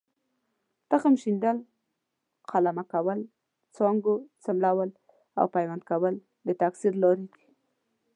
تخم شیندل، قلمه کول، څانګو څملول او پیوند کول د تکثیر لارې دي.